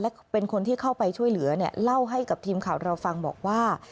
และเป็นคนที่เข้าไปช่วยเหลือเนี่ยเล่าให้กับทีมข่าวเราฟังบอกว่า